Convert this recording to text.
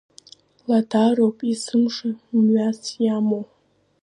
Ладароуп есымша мҩас иамоу.